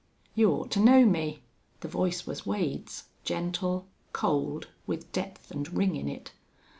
"You ought to know me." The voice was Wade's, gentle, cold, with depth and ring in it.